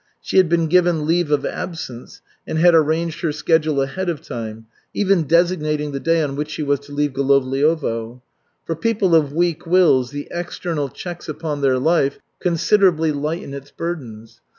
She had been given leave of absence and had arranged her schedule ahead of time, even designating the day on which she was to leave Golovliovo. For people of weak wills the external checks upon their life considerably lighten its burdens.